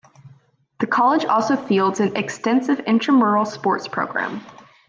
The college also fields an extensive intramural sports program.